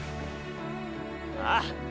ああ！